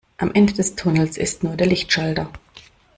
Am Ende des Tunnels ist nur der Lichtschalter.